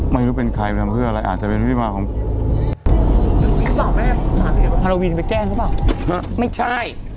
ไม่รู้เป็นใครเป็นทำให้ก็อะไร